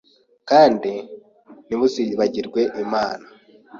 kandi ntimuzibagirwe Imana